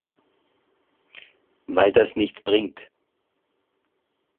Weil das nichts bringt!